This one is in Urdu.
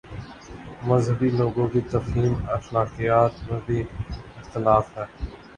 مذہبی لوگوں کی تفہیم اخلاقیات میں بھی اختلاف ہے۔